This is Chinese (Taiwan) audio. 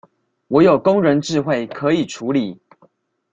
我有工人智慧可以處理